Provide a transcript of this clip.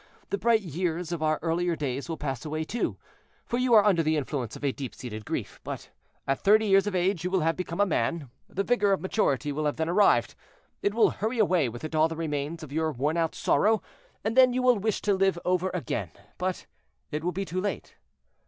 The bright years of our earlier days will pass away too, for you are under the influence of a deep seated grief; but at thirty years of age you will have become a man, the vigor of maturity will have then arrived; it will hurry away with it all that remains of your wornout sorrow, and then you will wish to live over again; but it will be too late.